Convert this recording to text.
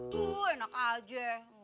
tuh enak aja